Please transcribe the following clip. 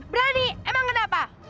berani emang kenapa